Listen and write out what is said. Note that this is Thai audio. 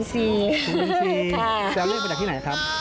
เจ้าเล่นไปจากที่ไหนครับ